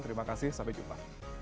terima kasih sampai jumpa